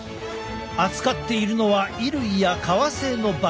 扱っているのは衣類や革製のバッグ。